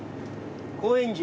高円寺。